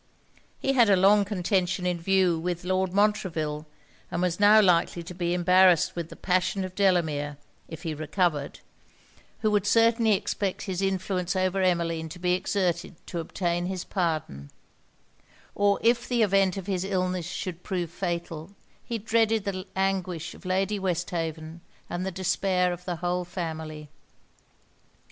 He had a long contention in view with Lord Montreville; and was now likely to be embarrassed with the passion of Delamere, if he recovered, (who would certainly expect his influence over Emmeline to be exerted to obtain his pardon); or if the event of his illness should prove fatal, he dreaded the anguish of Lady Westhaven and the despair of the whole family.